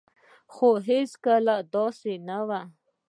خو هيڅکله داسي نه ده